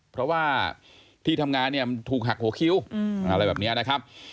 เพราะว่าที่ทำงานเนี่ยถูกหักหัวคิ้วอะไรแบบนี้นะครับ